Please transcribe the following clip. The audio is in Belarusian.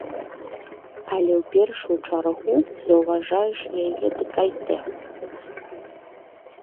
Але ў першую чаргу заўважаеш яе дэкальтэ.